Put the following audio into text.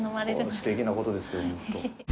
すてきなことですよホント。